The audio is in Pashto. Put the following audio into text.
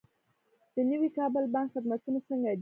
د نوي کابل بانک خدمتونه څنګه دي؟